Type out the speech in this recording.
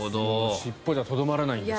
尻尾じゃとどまらないんですね。